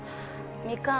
みかん